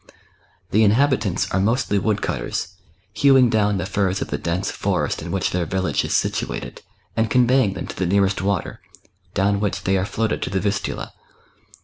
The inhabitants are mostly woodcutters, hewing down the firs of the dense forest in which their village is situated, and conveying them to the nearest water, down which they are floated to the Vistula.